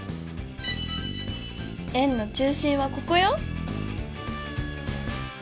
円の中心はここよ！